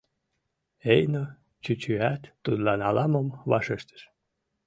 Эйно чӱчӱат тудлан ала-мом вашештыш.